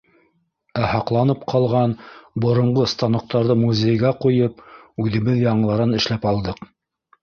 Ә һаҡланып ҡалған боронғо станоктарҙы музейға ҡуйып, үҙебеҙ яңыларын эшләп алдыҡ.